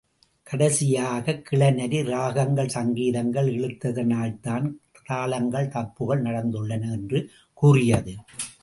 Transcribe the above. கடைசியாகக் கிழநரி ராகங்கள் சங்கீதங்கள் இழுத்ததனால்தான் தாளங்கள் தப்புகள் நடந்துள்ளன என்று கூறியது.